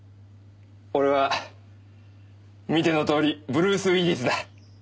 俺は見てのとおりブルース・ウィリスだ。